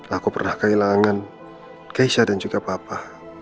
aku pernah kehilangan keisha dan juga bapak